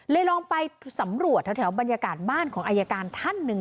ลองไปสำรวจแถวบรรยากาศบ้านของอายการท่านหนึ่ง